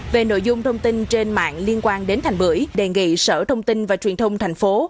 về nội dung thông tin trên mạng liên quan đến thành bưởi đề nghị sở thông tin và truyền thông thành phố